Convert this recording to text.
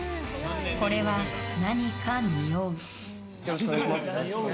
これは何かにおう。